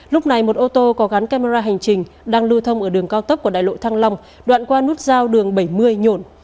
lúc này một ô tô có gắn camera hành trình đang lưu thông ở đường cao tốc của đại lộ thăng long đoạn qua nút giao đường bảy mươi nhộn